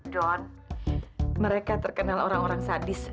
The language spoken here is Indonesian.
drone mereka terkenal orang orang sadis